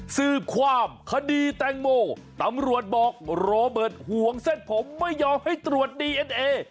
สืบความคดีแตงโมตำรวจบอกโรเบิร์ตห่วงเส้นผมไม่ยอมให้ตรวจดีเอ็นเอ